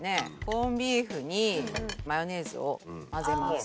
コンビーフにマヨネーズを混ぜます。